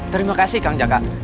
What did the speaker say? terima kasih kang jaka